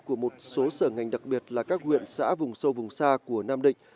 của một số sở ngành đặc biệt là các huyện xã vùng sâu vùng xa của nam định